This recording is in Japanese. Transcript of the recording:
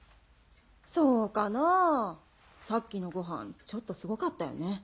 そうかなぁさっきのごはんちょっとすごかったよね。